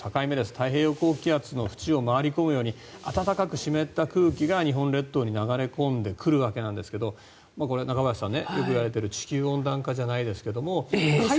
太平洋高気圧の縁を回り込むように暖かく湿った空気が日本列島に流れ込んでくるわけなんですが中林さん、よくいわれている地球温暖化じゃないですが。